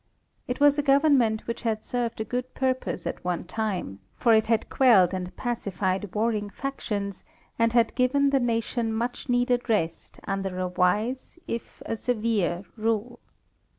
It was a government which had served a good purpose at one time, for it had quelled and pacified warring factions and had given the nation much needed rest under a wise, if a severe, rule.